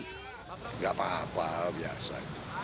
tidak apa apa biasa